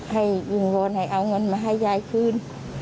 วิงวอนให้เอาเงินมาให้ยายคืน